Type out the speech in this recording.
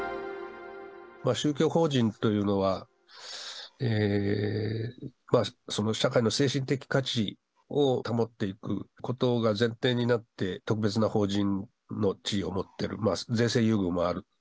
宗教法人というのは、社会の精神的価値を保っていくことが前提になって、特別な法人の地位を持ってる、税制優遇もある。